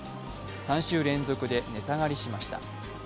３週連続で値下がりしました。